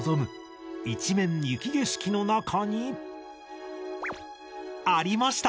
一面雪景色の中にありました